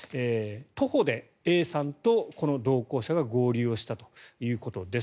徒歩でＡさんと、この同行者が合流したということです。